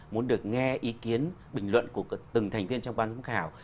muốn được nghe ý kiến bình luận của từng thành viên trong ban giám khảo